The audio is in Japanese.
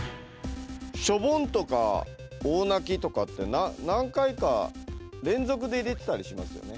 しょぼんとか大泣きとかって何回か連続で入れてたりしますよね